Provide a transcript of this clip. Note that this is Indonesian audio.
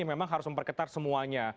memang harus memperketat semuanya